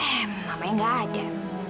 eh mamanya gak ada